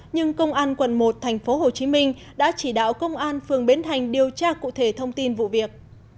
nhưng công an quần một thành phố hồ chí minh đã chỉ đạo công an phường bến thành điều tra cụ thể thông tin vụ việc